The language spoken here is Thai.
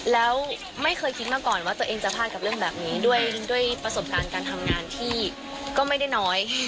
แล้วไม่เคยคิดมาก่อนว่าตัวเองจะพลาดกับเรื่องแบบนี้ด้วยประสบการณ์การทำงานที่ก็ไม่ได้น้อย